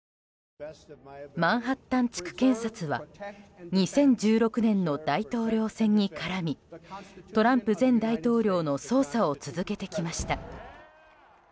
マンハッタン地区検察は２０１６年の大統領選に絡みトランプ前大統領の捜査を続けてきました。